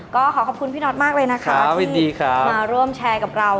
ก็ขอขอบคุณพี่น็อตมากเลยนะคะมาร่วมแชร์กับเรา